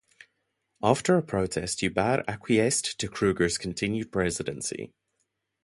After a protest Joubert acquiesced to Kruger's continued presidency.